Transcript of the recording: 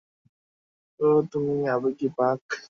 ওহ, তুমি আবেগী, বাক।